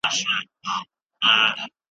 سختۍ مې په خندا تېرې کړې.